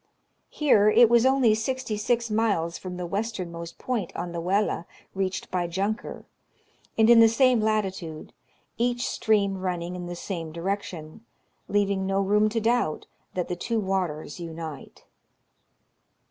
Here it was only 66 miles from the west ernmost point on the Welle reached by Junker, and in the same latitude, each stream running in the same direction, leaving no room to doubt that the two waters unite.